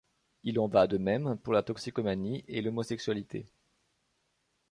Il en va de même pour la toxicomanie et l’homosexualité.